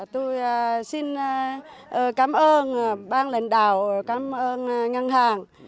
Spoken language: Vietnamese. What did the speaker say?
tôi xin cảm ơn ban lãnh đạo cảm ơn ngân hàng